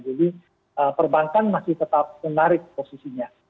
jadi perbankan masih tetap menarik posisinya